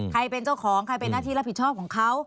ใครเป็นเจ้าของใครเป็นหน้าที่รับผิดชอบของเขา